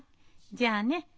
じゃあね。